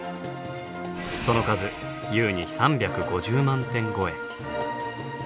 その数優に３５０万点超え。